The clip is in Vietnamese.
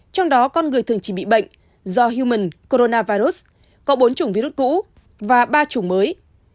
trong đó con người thường chỉ bị bệnh do human coronavirus có bốn chủng virus cũ và ba chủng mới